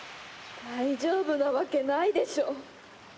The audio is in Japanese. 大丈夫なわけないでしょ！